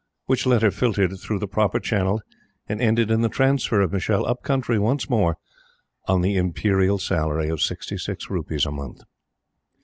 Which letter filtered through the Proper Channels, and ended in the transfer of Michele up country once more, on the Imperial salary of sixty six rupees a month.